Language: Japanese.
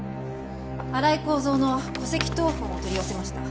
荒井孝蔵の戸籍謄本を取り寄せました。